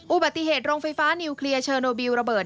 อุบัติเหตุโรงไฟฟ้านิวเคลียร์เชอร์โนบิลระเบิด